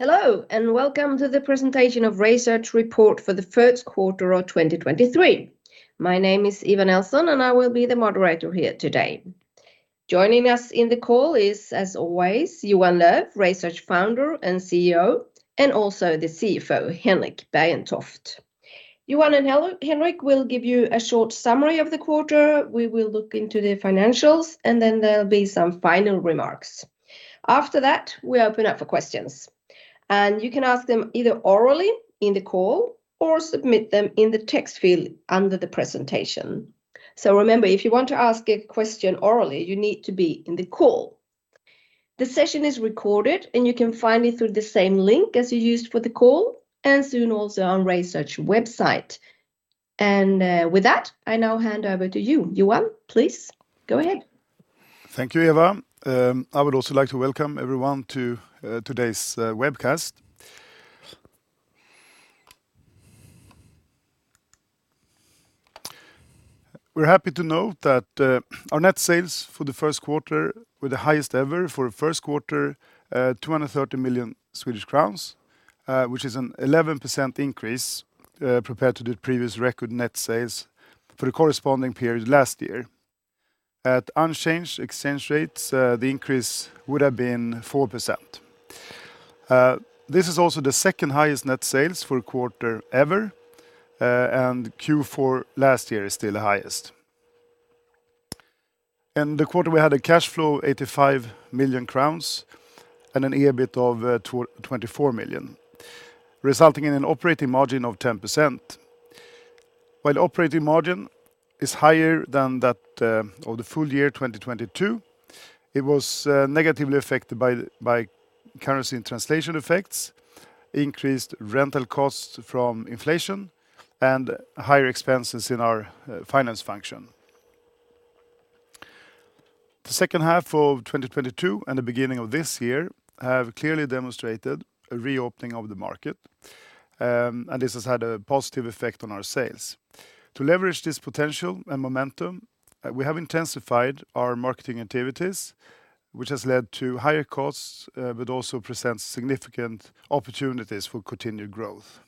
Hello, welcome to the presentation of RaySearch report for the first quarter of 2023. My name is Eva Nelson, and I will be the moderator here today. Joining us in the call is, as always, Johan Löf, RaySearch founder and CEO, and also the CFO, Henrik Bergentoft. Johan and Henrik will give you a short summary of the quarter, we will look into the financials, and then there'll be some final remarks. After that, we open up for questions, and you can ask them either orally in the call or submit them in the text field under the presentation. Remember, if you want to ask a question orally, you need to be in the call. The session is recorded, and you can find it through the same link as you used for the call and soon also on RaySearch website. With that, I now hand over to you. Johan, please go ahead. Thank you, Eva. I would also like to welcome everyone to today's webcast. We're happy to note that our net sales for the first quarter were the highest ever for a first quarter, 230 million Swedish crowns, which is an 11% increase compared to the previous record net sales for the corresponding period last year. At unchanged exchange rates, the increase would have been 4%. This is also the second highest net sales for a quarter ever, and Q4 last year is still the highest. In the quarter, we had a cash flow 85 million crowns and an EBIT of 24 million, resulting in an operating margin of 10%. While operating margin is higher than that of the full year 2022, it was negatively affected by currency and translation effects, increased rental costs from inflation, and higher expenses in our finance function. The second half of 2022 and the beginning of this year have clearly demonstrated a reopening of the market. This has had a positive effect on our sales. To leverage this potential and momentum, we have intensified our marketing activities, which has led to higher costs, but also presents significant opportunities for continued growth.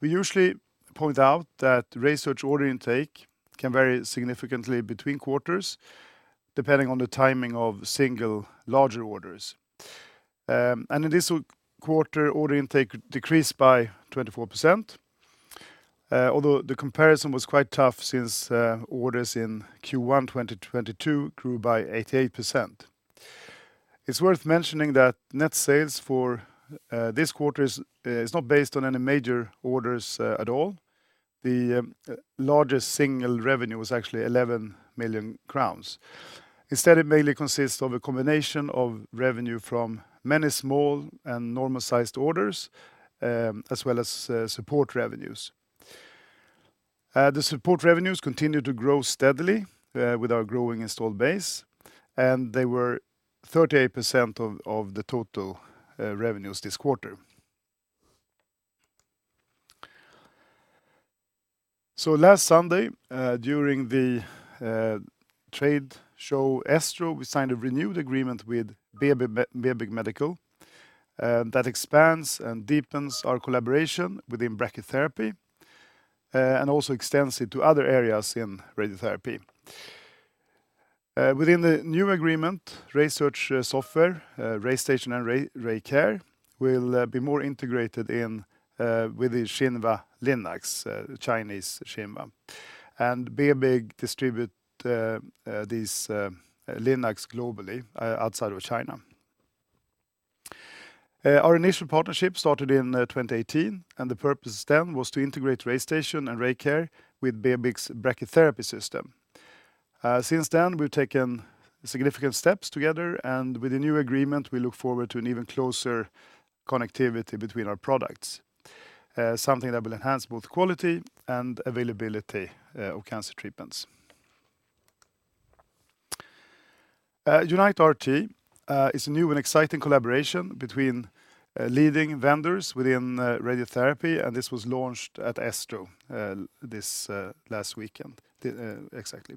We usually point out that RaySearch order intake can vary significantly between quarters depending on the timing of single larger orders. In this quarter, order intake decreased by 24%, although the comparison was quite tough since orders in Q1 2022 grew by 88%. It's worth mentioning that net sales for this quarter is not based on any major orders at all. The largest single revenue was actually 11 million crowns. Instead, it mainly consists of a combination of revenue from many small and normal-sized orders, as well as support revenues. The support revenues continue to grow steadily with our growing installed base, and they were 38% of the total revenues this quarter. Last Sunday, during the trade show ESTRO, we signed a renewed agreement with BEBIG Medical that expands and deepens our collaboration within brachytherapy and also extends it to other areas in radiotherapy. Within the new agreement, RaySearch software, RayStation and RayCare, will be more integrated in within Shinva linacs, Chinese Shinva. BEBIG distribute these linacs globally outside of China. Our initial partnership started in 2018, and the purpose then was to integrate RayStation and RayCare with BEBIG's brachytherapy system. Since then, we've taken significant steps together, and with the new agreement, we look forward to an even closer connectivity between our products, something that will enhance both quality and availability of cancer treatments. UniteRT is a new and exciting collaboration between leading vendors within radiotherapy, and this was launched at ESTRO this last weekend. The exactly.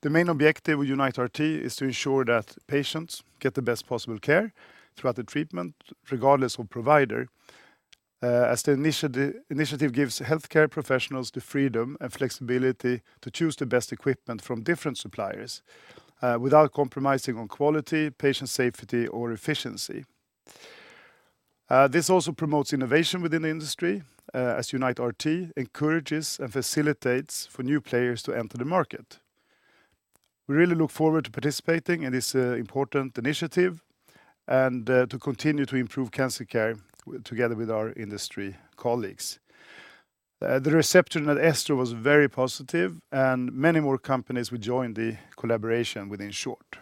The main objective of UniteRT is to ensure that patients get the best possible care throughout the treatment, regardless of provider, as the initiative gives healthcare professionals the freedom and flexibility to choose the best equipment from different suppliers, without compromising on quality, patient safety, or efficiency. This also promotes innovation within the industry, as UniteRT encourages and facilitates for new players to enter the market. We really look forward to participating in this important initiative and to continue to improve cancer care together with our industry colleagues. The reception at ESTRO was very positive. Many more companies will join the collaboration within short.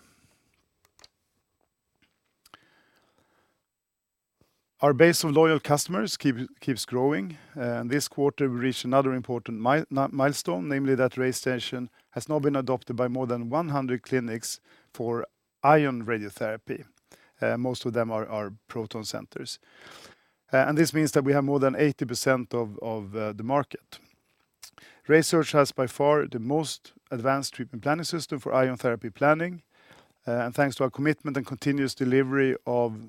Our base of loyal customers keeps growing. This quarter, we reached another important milestone, namely that RayStation has now been adopted by more than 100 clinics for ion radiotherapy. Most of them are proton centers. This means that we have more than 80% of the market. RaySearch has by far the most advanced treatment planning system for ion therapy planning. Thanks to our commitment and continuous delivery of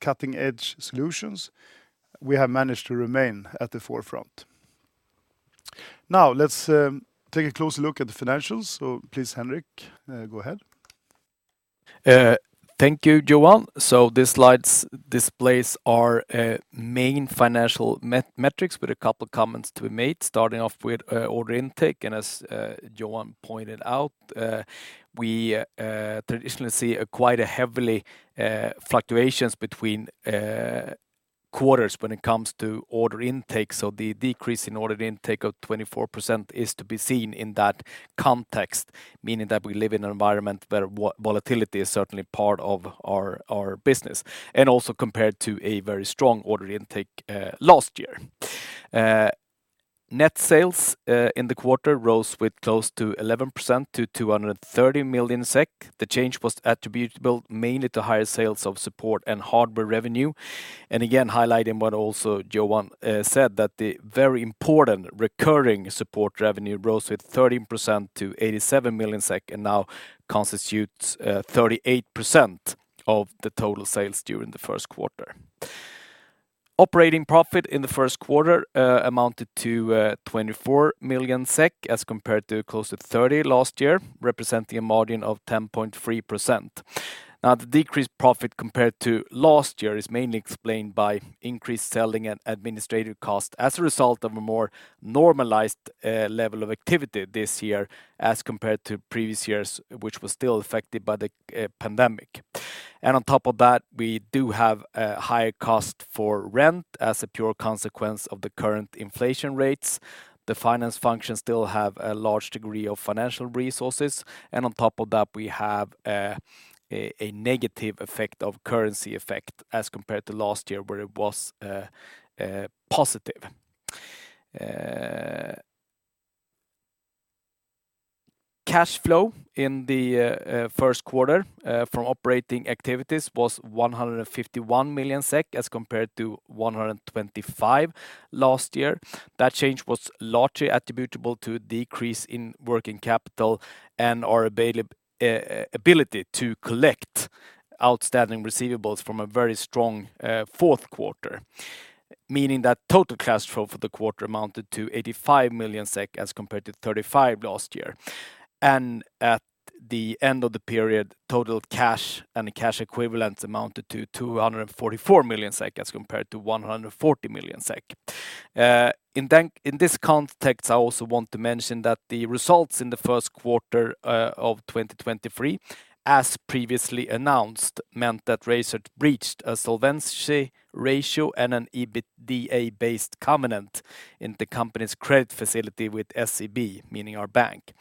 cutting-edge solutions, we have managed to remain at the forefront. Now, let's take a closer look at the financials. Please, Henrik, go ahead. Thank you, Johan. This slide's displays are main financial metrics with a couple of comments to be made, starting off with order intake. As Johan pointed out, we traditionally see a quite a heavily fluctuations between quarters when it comes to order intake. The decrease in order intake of 24% is to be seen in that context, meaning that we live in an environment where volatility is certainly part of our business, and also compared to a very strong order intake last year. Net sales in the quarter rose with close to 11% to 230 million SEK. The change was attributable mainly to higher sales of support and hardware revenue. Again, highlighting what also Johan said that the very important recurring support revenue rose with 13% to 87 million SEK and now constitutes 38% of the total sales during the first quarter. Operating profit in the first quarter amounted to 24 million SEK as compared to close to 30 million last year, representing a margin of 10.3%. Now, the decreased profit compared to last year is mainly explained by increased selling and administrative costs as a result of a more normalized level of activity this year as compared to previous years, which was still affected by the pandemic. On top of that, we do have higher cost for rent as a pure consequence of the current inflation rates. The finance function still have a large degree of financial resources. On top of that, we have a negative effect of currency effect as compared to last year where it was positive. Cash flow in the first quarter from operating activities was 151 million SEK as compared to 125 million last year. That change was largely attributable to a decrease in working capital and our ability to collect outstanding receivables from a very strong fourth quarter, meaning that total cash flow for the quarter amounted to 85 million SEK as compared to 35 million last year. At the end of the period, total cash and cash equivalents amounted to 244 million SEK as compared to 140 million SEK. In this context, I also want to mention that the results in the first quarter of 2023, as previously announced, meant that RaySearch breached a solvency ratio and an EBITDA-based covenant in the company's credit facility with SEB, meaning our bank.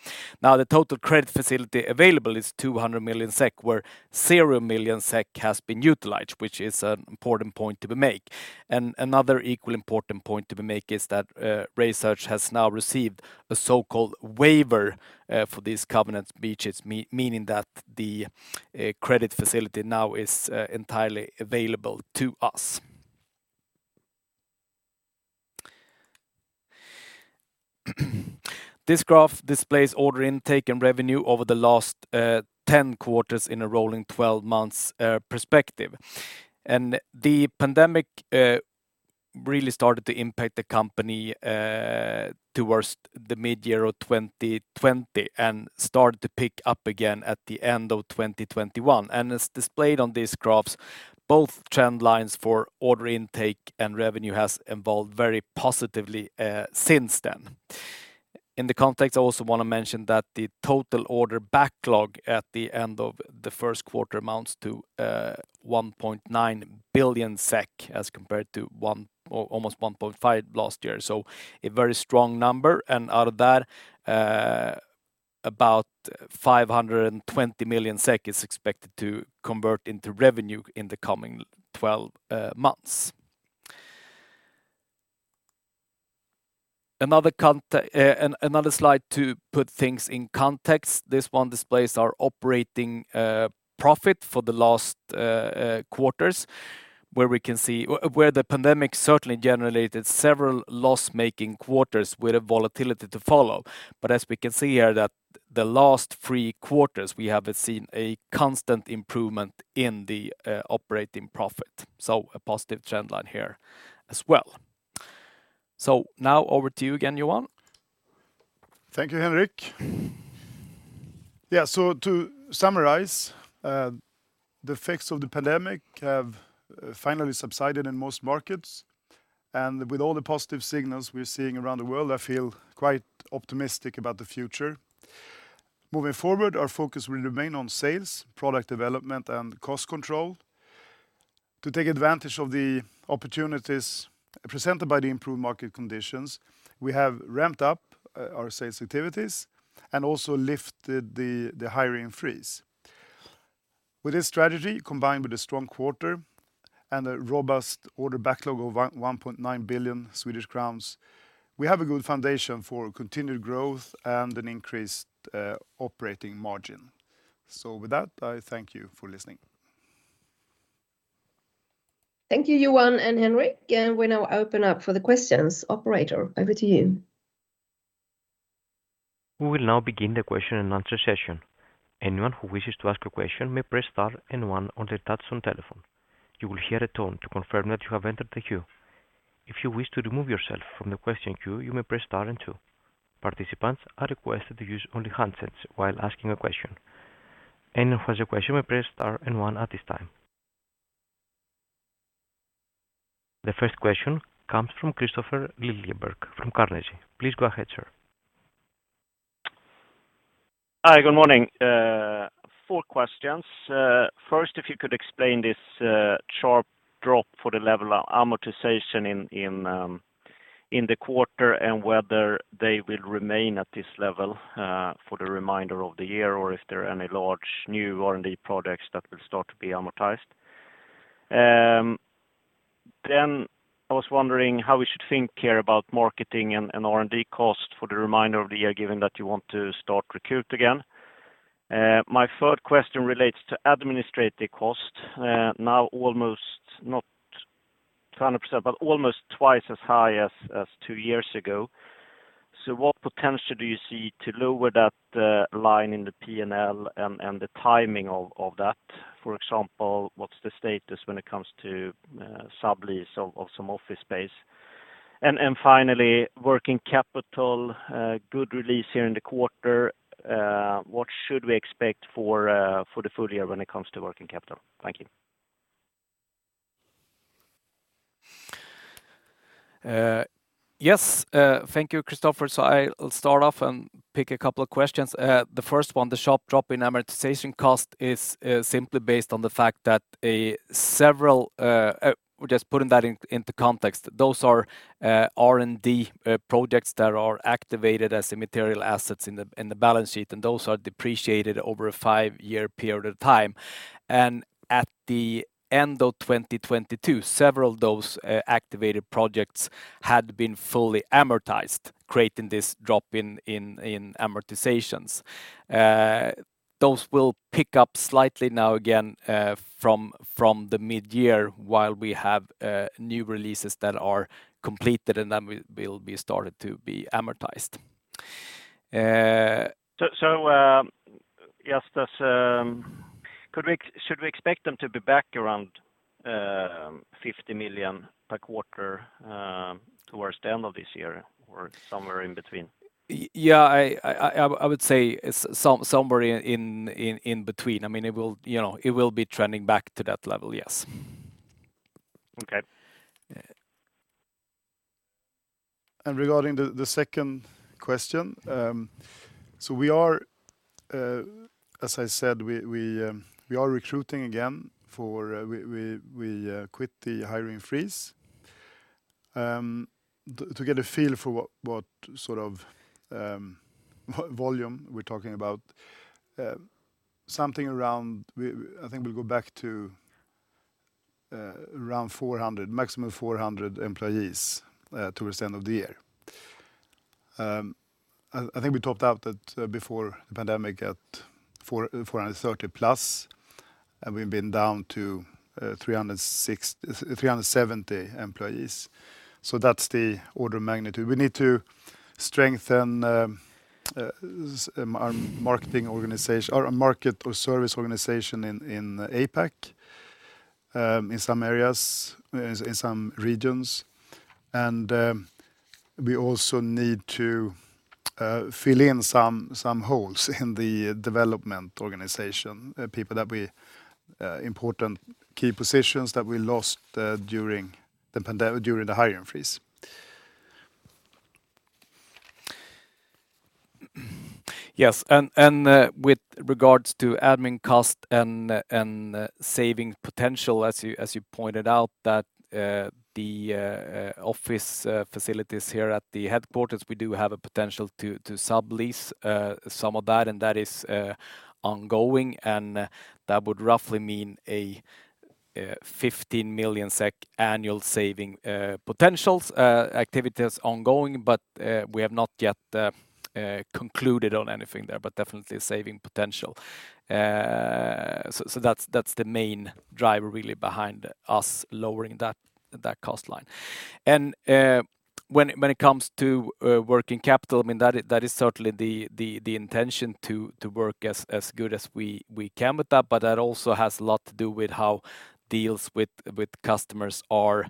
The total credit facility available is 200 million SEK, where 0 million SEK has been utilized, which is an important point to be make. Another equally important point to be make is that RaySearch has now received a so-called waiver for this covenant breaches, meaning that the credit facility now is entirely available to us. This graph displays order intake and revenue over the last 10 quarters in a rolling 12 months perspective. The pandemic really started to impact the company towards the mid-year of 2020 and started to pick up again at the end of 2021. As displayed on these graphs, both trend lines for order intake and revenue has evolved very positively since then. In the context, I also wanna mention that the total order backlog at the end of the first quarter amounts to 1.9 billion SEK as compared to almost 1.5 last year. A very strong number. Out of that, about 520 million SEK is expected to convert into revenue in the coming 12 months. Another slide to put things in context. This one displays our operating profit for the last quarters, where we can see where the pandemic certainly generated several loss-making quarters with a volatility to follow. As we can see here that the last three quarters, we have seen a constant improvement in the operating profit. A positive trend line here as well. Now over to you again, Johan. Thank you, Henrik. To summarize, the effects of the pandemic have finally subsided in most markets. With all the positive signals we're seeing around the world, I feel quite optimistic about the future. Moving forward, our focus will remain on sales, product development, and cost control. To take advantage of the opportunities presented by the improved market conditions, we have ramped up our sales activities and also lifted the hiring freeze. With this strategy, combined with a strong quarter and a robust order backlog of 1.9 billion Swedish crowns, we have a good foundation for continued growth and an increased operating margin. With that, I thank you for listening. Thank you, Johan and Henrik. We now open up for the questions. Operator, over to you. We will now begin the question and answer session. Anyone who wishes to ask a question may press star and one on their touch-tone telephone. You will hear a tone to confirm that you have entered the queue. If you wish to remove yourself from the question queue, you may press star and two. Participants are requested to use only handsets while asking a question. Anyone who has a question may press star and one at this time. The first question comes from Kristofer Liljeberg from Carnegie. Please go ahead, sir. Hi, good morning. Four questions. First, if you could explain this sharp drop for the level of amortization in the quarter and whether they will remain at this level for the remainder of the year or if there are any large new R&D products that will start to be amortized? I was wondering how we should think here about marketing and R&D cost for the remainder of the year, given that you want to start recruit again? My third question relates to administrative cost, now almost not 200%, but almost twice as high as two years ago. What potential do you see to lower that line in the P&L and the timing of that? For example, what's the status when it comes to sublease of some office space? Finally, working capital, good release here in the quarter. What should we expect for the full year when it comes to working capital? Thank you. Yes. Thank you, Kristofer. I'll start off and pick a couple of questions. The first one, the sharp drop in amortization cost is simply based on the fact that, just putting that into context, those are R&D projects that are activated as immaterial assets in the balance sheet, and those are depreciated over a five-year period of time. At the end of 2022, several of those activated projects had been fully amortized, creating this drop in amortizations. Those will pick up slightly now again from the midyear while we have new releases that are completed and then will be started to be amortized. Just as, should we expect them to be back around 50 million per quarter towards the end of this year or somewhere in between? Yeah. I would say somewhere in between. I mean, it will, you know, it will be trending back to that level, yes. Okay. Regarding the second question. We are, as I said, we are recruiting again for, we quit the hiring freeze. To get a feel for what sort of volume we're talking about. Something around I think we'll go back to around 400, maximum 400 employees, towards the end of the year. I think we topped out at before the pandemic at 430+, and we've been down to 370 employees. That's the order of magnitude. We need to strengthen our marketing organization or our market or service organization in APAC, in some areas, in some regions. We also need to fill in some holes in the development organization. People that we, important key positions that we lost, during the hiring freeze. Yes. With regards to admin cost and saving potential, as you pointed out that the office facilities here at the headquarters, we do have a potential to sublease some of that, and that is ongoing. That would roughly mean a 15 million SEK annual saving potentials. Activity is ongoing, but we have not yet concluded on anything there, but definitely saving potential. That's the main driver really behind us lowering that cost line. When it comes to working capital, I mean, that is certainly the intention to work as good as we can with that. That also has a lot to do with how deals with customers are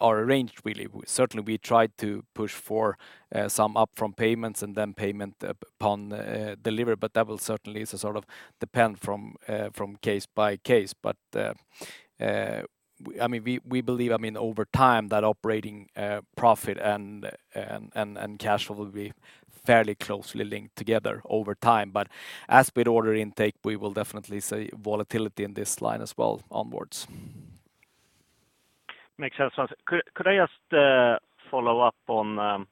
arranged, really. Certainly, we try to push for some upfront payments and then payment upon delivery. That will certainly sort of depend from case by case. I mean, we believe, I mean, over time, that operating profit and, and cash flow will be fairly closely linked together over time. As with order intake, we will definitely see volatility in this line as well onwards. Makes sense. Could I just follow up on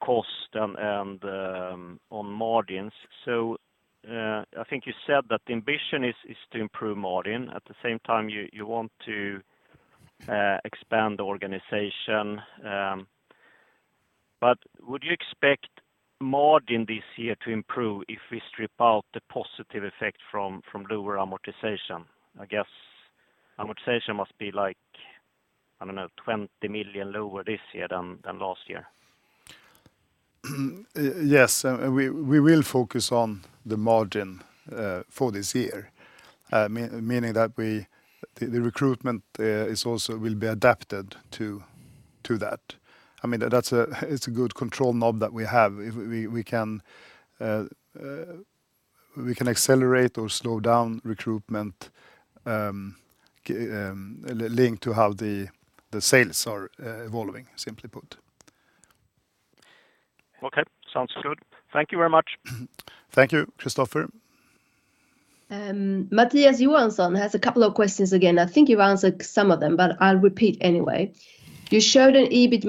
cost and on margins? I think you said that the ambition is to improve margin. At the same time, you want to expand the organization. Would you expect margin this year to improve if we strip out the positive effect from lower amortization? I guess amortization must be like, I don't know, 20 million lower this year than last year. Yes. We will focus on the margin for this year. Meaning that the recruitment is also will be adapted to that. I mean, that's a, it's a good control knob that we have. If we can accelerate or slow down recruitment, linked to how the sales are evolving, simply put. Okay. Sounds good. Thank you very much. Thank you, Kristofer. Mattias Johansson has a couple of questions again. I think you've answered some of them, but I'll repeat anyway. You showed an EBIT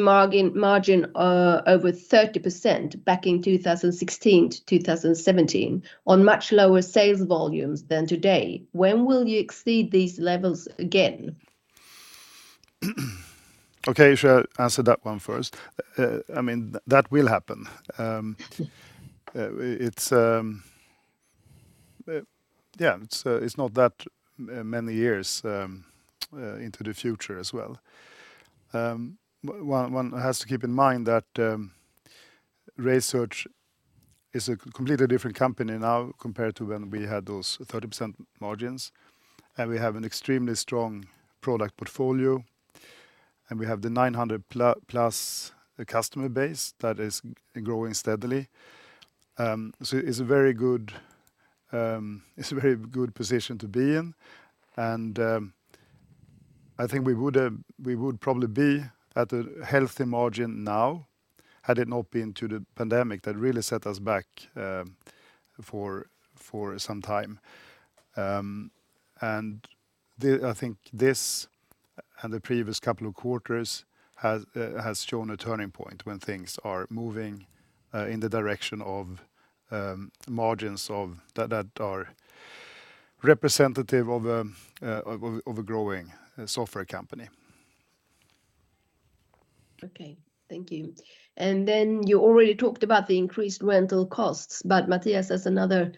margin over 30% back in 2016 to 2017 on much lower sales volumes than today. When will you exceed these levels again? Okay. Shall I answer that one first? I mean, that will happen. It's not that many years into the future as well. One has to keep in mind that RaySearch is a completely different company now compared to when we had those 30% margins. We have an extremely strong product portfolio, and we have the 900-plus customer base that is growing steadily. So it's a very good position to be in. I think we would probably be at a healthy margin now had it not been to the pandemic that really set us back for some time. I think this and the previous couple of quarters has shown a turning point when things are moving in the direction of margins that are representative of a growing software company. Okay. Thank you. You already talked about the increased rental costs. Mattias has another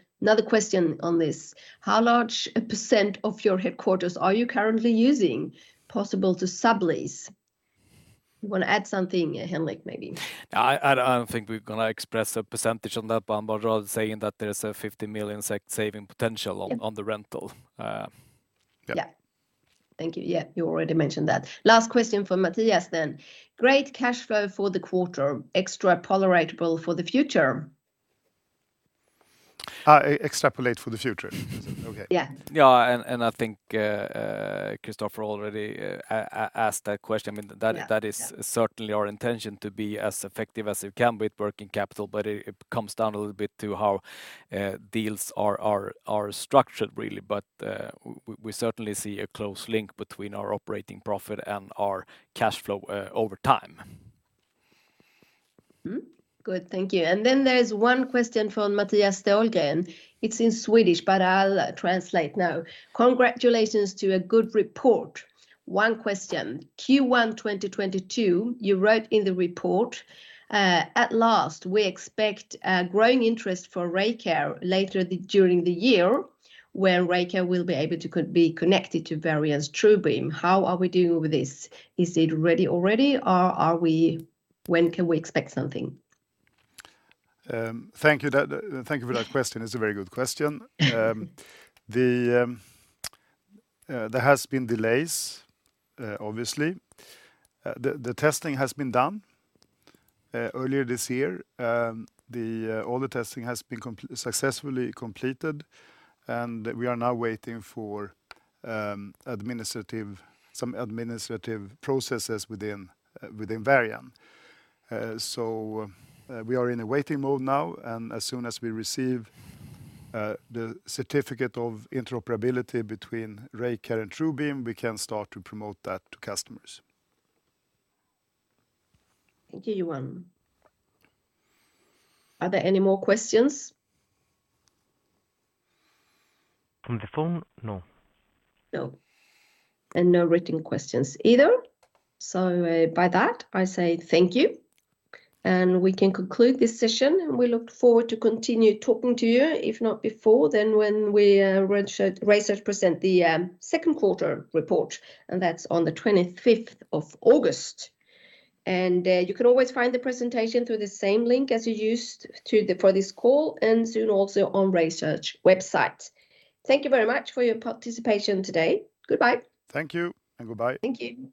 question on this. How large a % of your headquarters are you currently using possible to sublease? You wanna add something, Henrik, maybe? I don't think we're gonna express a percentage on that, but I'm rather saying that there's a 50 million saving potential on the rental. Yeah. Thank you. You already mentioned that. Last question from Mattias then. Great cash flow for the quarter. Extrapolatable for the future? Extrapolate for the future. Is it? Okay. Yeah. Yeah. I think Kristofer already asked that question. I mean. Yeah. That is certainly our intention to be as effective as we can with working capital, but it comes down a little bit to how deals are structured really. We certainly see a close link between our operating profit and our cash flow over time. Mm-hmm. Good. Thank you. There's one question from Mathias Dahlgren. It's in Swedish, I'll translate now. Congratulations to a good report. One question. Q1 2022, you wrote in the report, at last, we expect a growing interest for RayCare later during the year, where RayCare will be able to be connected to Varian's TrueBeam. How are we doing with this? Is it ready already, or when can we expect something? Thank you. Thank you for that question. It's a very good question. There has been delays, obviously. The testing has been done earlier this year. All the testing has been successfully completed, and we are now waiting for administrative, some administrative processes within Varian. We are in a waiting mode now, and as soon as we receive the certificate of interoperability between RayCare and TrueBeam, we can start to promote that to customers. Thank you, Johan. Are there any more questions? From the phone? No. No. No written questions either. By that, I say thank you, and we can conclude this session, and we look forward to continue talking to you, if not before, then when we RaySearch present the second quarter report, and that's on the 25th of August. You can always find the presentation through the same link as you used for this call, and soon also on RaySearch website. Thank you very much for your participation today. Goodbye. Thank you and goodbye. Thank you.